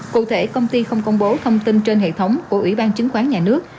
cụ thể công ty không công bố thông tin trên hệ thống của ủy ban chứng khoán nhà nước